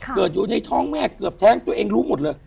เกิดอยู่ในท้องแม่เกือบแท้งตัวเองรู้หมดเลย